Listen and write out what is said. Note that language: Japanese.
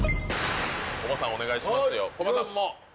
コバさん、お願いします。